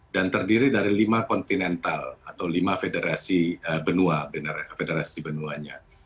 dan terdiri dari lima kontinental atau lima federasi benua